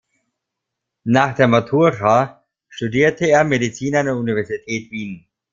Nach der Matura studierte er Medizin an der Universität Wien.